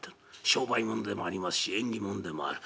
商売もんでもありますし縁起もんでもある。